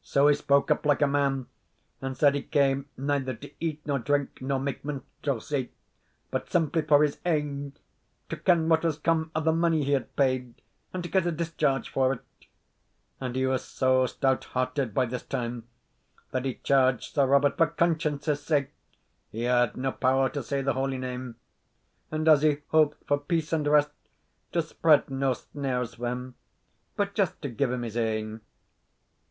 So he spoke up like a man, and said he came neither to eat nor drink, nor make minstrelsy; but simply for his ain to ken what was come o' the money he had paid, and to get a discharge for it; and he was so stout hearted by this time that he charged Sir Robert for conscience's sake (he had no power to say the holy name), and as he hoped for peace and rest, to spread no snares for him, but just to give him his ain.